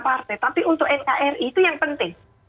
partai tapi untuk nkri itu yang penting